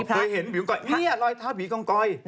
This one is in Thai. เคยเห็นหิวแรงก้อยนี่หลายท่าผีกองก้อย